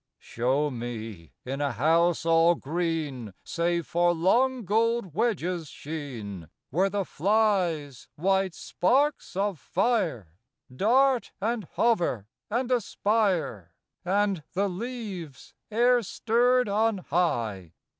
Show me, in a house all green, Save for long gold wedges' sheen, Where the flies, white sparks of fire, Dart and hover and aspire, And the leaves, air stirred on high, r A LOVER'S SONG.